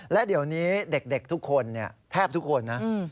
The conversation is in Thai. และเดี๋ยวนี้เด็กทุกคนเนี้ยแทบทุกคนนะอืม